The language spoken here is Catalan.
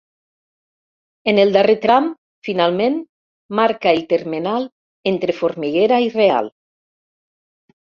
En el darrer tram, finalment, marca el termenal entre Formiguera i Real.